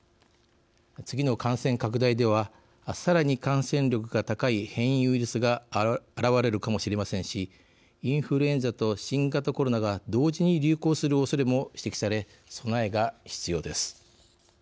次の感染拡大ではさらに感染力が高い変異ウイルスが現れるかもしれませんしインフルエンザと新型コロナが同時に流行するおそれも指摘され備えが必要です。